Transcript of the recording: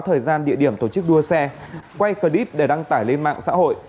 thời gian địa điểm tổ chức đua xe quay clip để đăng tải lên mạng xã hội